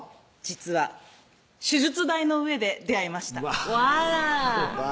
実は手術台の上で出会いましたわぁわぁ